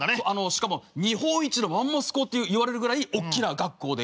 しかも日本一のマンモス校っていわれるぐらいおっきな学校で。